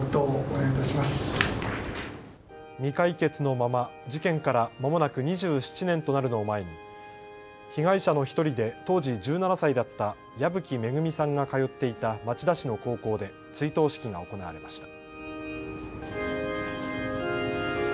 未解決のまま事件からまもなく２７年となるのを前に被害者の１人で当時１７歳だった矢吹恵さんが通っていた町田市の高校で追悼式が行われました。